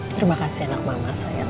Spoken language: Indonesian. terima kasih anak mama saya